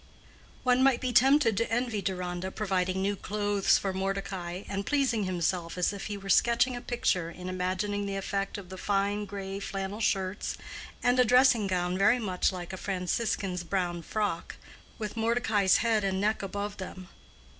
One might be tempted to envy Deronda providing new clothes for Mordecai, and pleasing himself as if he were sketching a picture in imagining the effect of the fine gray flannel shirts and a dressing gown very much like a Franciscan's brown frock, with Mordecai's head and neck above them.